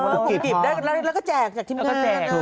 แล้วก็แจกจากที่นาน